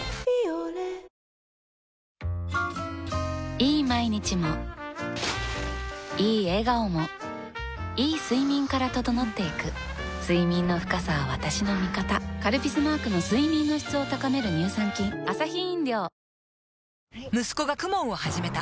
いい毎日もいい笑顔もいい睡眠から整っていく睡眠の深さは私の味方「カルピス」マークの睡眠の質を高める乳酸菌息子が ＫＵＭＯＮ を始めた